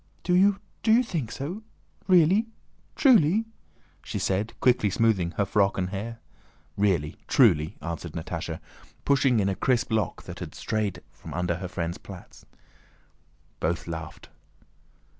"Do you think so?... Really? Truly?" she said, quickly smoothing her frock and hair. "Really, truly!" answered Natásha, pushing in a crisp lock that had strayed from under her friend's plaits. Both laughed.